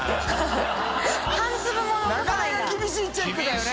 なかなか厳しいチェックだよね。